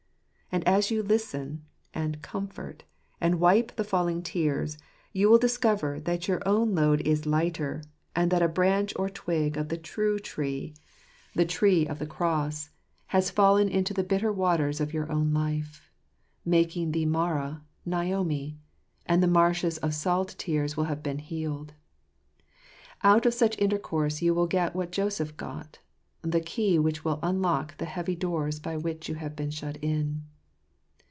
I And as you listen, amTcomfort, and wipe the falling tears, you will discover that your own load is lighter, and that a branch or twig of the true tree the tree of the 60 JUfetmtoerstanto ditto Intjndsntteto, Cross — has fallen into the bitter waters of your own life, making the Marah, Naomi, and the marshes of salt tears will have been healed. Out of such intercourse you will get what Joseph got — the key which will unlock the heavy doors by which you have been shut in.